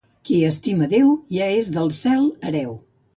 Qui estima Déu, ja és del cel hereu.